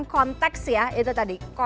konteks ya itu tadi